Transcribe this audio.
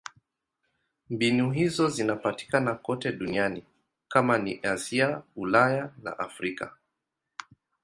Mbinu hizo zinapatikana kote duniani: kama ni Asia, Ulaya au Afrika.